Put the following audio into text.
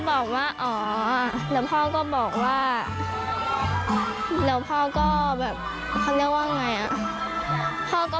บอกว่าอ๋อแล้วพ่อก็บอกว่าแล้วพ่อก็แบบเขาเรียกว่าไงอ่ะ